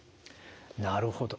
なるほど。